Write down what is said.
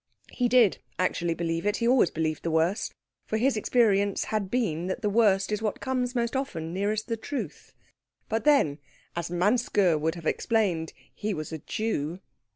He did actually believe it. He always believed the worst, for his experience had been that the worst is what comes most often nearest the truth; but then, as Manske would have explained, he was a Jew.